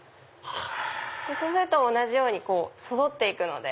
そうすると同じようにそろって行くので。